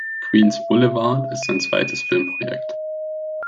Queens Boulevard ist sein zweites Filmprojekt.